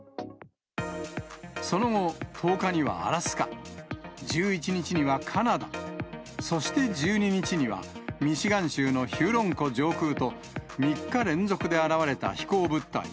その後、１０日にはアラスカ、１１日にはカナダ、そして１２日にはミシガン州のヒューロン湖上空と、３日連続で現れた飛行物体。